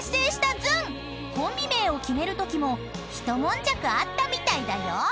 ［コンビ名を決めるときも一悶着あったみたいだよ］